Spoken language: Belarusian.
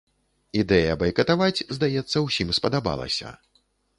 Ідэя байкатаваць, здаецца, усім спадабалася.